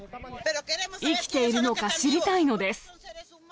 生きているのか知りたいのです。